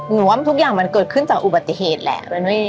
หนูว่าทุกอย่างมันเกิดขึ้นจากอุบัติเหตุแหละ